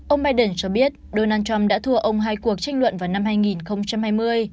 ông biden cho biết donald trump đã thua ông hai cuộc tranh luận vào năm hai nghìn hai mươi